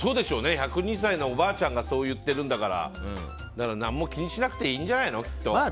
１０２歳のおばあちゃんがそう言ってるんだから何も気にしなくていいんじゃないのとは思う。